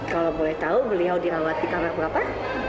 kalau boleh tahu beliau dirawat di kamar berapa